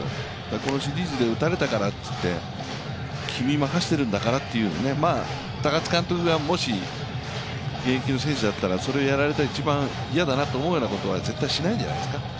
このシリーズで打たれたからといって、君に任しているんだからって高津監督が、もし現役の選手だったら、それやられたら一番嫌だと思うことは絶対しないんじゃないですか。